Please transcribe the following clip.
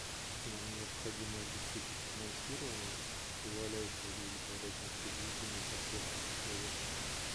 Нам необходимо обеспечить финансирование, позволяющее удовлетворять непредвиденные потребности Совета.